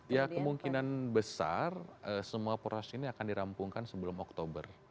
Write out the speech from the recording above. ya kemungkinan besar semua proses ini akan dirampungkan sebelum oktober